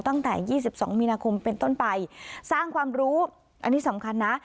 ตั้งแต่๒๒มีนาคมเป็นต้นไปสร้างความรู้อันนี้สำคัญนะ